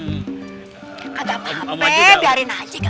gak ada apa apa biarin aja